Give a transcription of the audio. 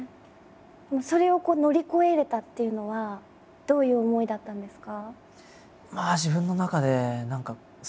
でもそれを乗り越えれたっていうのはどういう思いだったんですか？